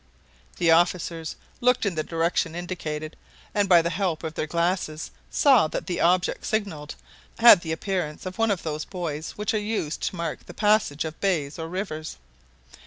The officers looked in the direction indicated, and by the help of their glasses saw that the object signalled had the appearance of one of those buoys which are used to mark the passages of bays or rivers.